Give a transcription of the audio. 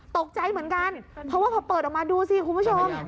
ตกใจเหมือนกันเพราะว่าพอเปิดออกมาดูสิคุณผู้ชม